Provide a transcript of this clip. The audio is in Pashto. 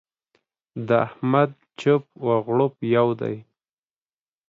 د احمد چپ و غړوپ يو دی.